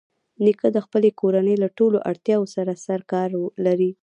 نیکه د خپلې کورنۍ له ټولو اړتیاوو سره سرکار لري.